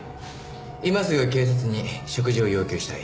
今すぐ警察に食事を要求したい。